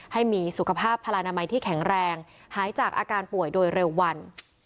ให้มีสุขภาพพลนามัยที่แข็งแรงหายจากอาการป่วยโดยเร็ววัน